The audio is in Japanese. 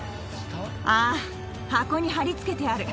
あぁ箱に貼り付けてある。